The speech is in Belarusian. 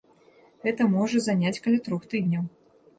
Гэта можа заняць каля трох тыдняў.